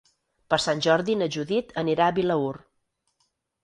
Per Sant Jordi na Judit anirà a Vilaür.